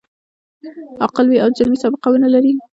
عاقل وي او جرمي سابقه و نه لري.